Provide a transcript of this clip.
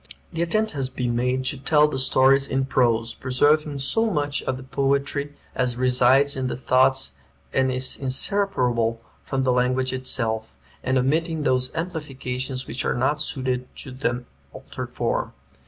The attempt has been made to tell the stories in prose, preserving so much of the poetry as resides in the thoughts and is separable from the language itself, and omitting those amplifications which are not suited to the altered form.